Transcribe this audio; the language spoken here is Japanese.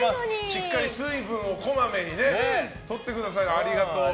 しっかり水分をこまめにとってください。